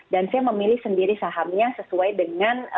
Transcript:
dan saya memilih sendiri sahamnya sesuai dengan